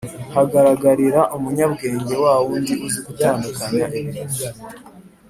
hagaragarira umunyabwenge, wa wundi uzi gutandukanya ibintu